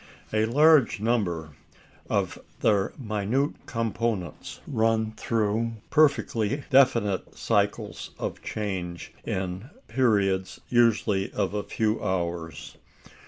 A large number of their minute components run through perfectly definite cycles of change in periods usually of a few hours.